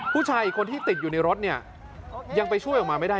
ผู้ชายอีกคนที่ติดอยู่ในรถเนี่ยยังไปช่วยออกมาไม่ได้